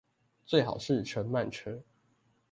最好是乘慢車